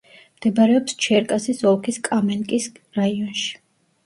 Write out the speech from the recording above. მდებარეობს ჩერკასის ოლქის კამენკის რაიონში.